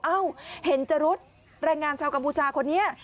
เอ้าเห็นจรุดแรงงานชาวกัมพูชาคนนี้